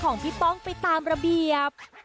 ของพี่ป้องไปตามระเบียบ